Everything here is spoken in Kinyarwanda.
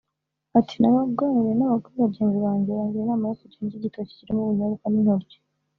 Ati ‘ Naganiriye n’abagore bagenzi banjye bangira inama yo kujya ndya igitoki kirimo ubunyobwa n’intoryi